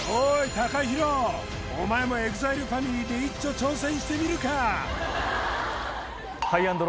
ＴＡＫＡＨＩＲＯお前もＥＸＩＬＥファミリーでいっちょ挑戦してみるか？